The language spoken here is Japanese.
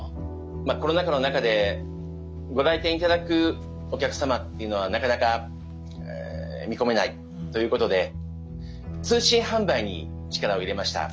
まあコロナ禍の中でご来店頂くお客様っていうのはなかなか見込めないということで通信販売に力を入れました。